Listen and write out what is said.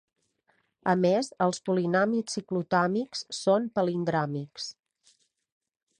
A més, els polinomis ciclotòmics són palindròmics.